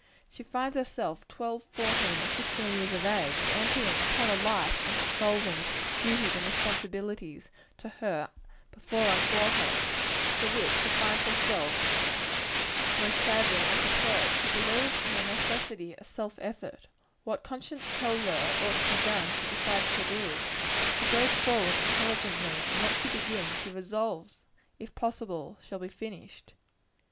She finds herself twelve, fourteen or sixteen years of age, and entering upon a life involving duties and responsibilities, to her before unthought of and for which she finds herself most sadly unprepared. She believes in the necessity of self effort. What conscience tells her ought to be done, she decides to do. She goes forward intelligently and what she begins, she resolves, if possible, shall be finished.